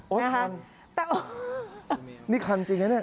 โอ้ยทันนี่ทันจริงไหม